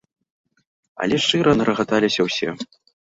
Але шчыра нарагаталіся ўсе.